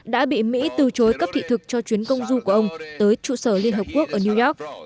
đã bị mỹ từ chối cấp thị thực cho chuyến công du của ông tới trụ sở liên hợp quốc ở new york